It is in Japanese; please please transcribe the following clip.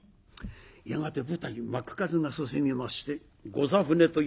やがて舞台幕数が進みまして御座船というこしらえ。